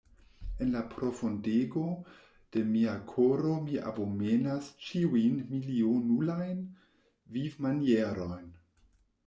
En la profundego de mia koro mi abomenas ĉiujn milionulajn vivmanierojn!